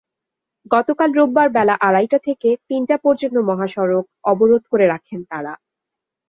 গতকাল রোববার বেলা আড়াইটা থেকে তিনটা পর্যন্ত মহাসড়ক অবরোধ করে রাখেন তাঁরা।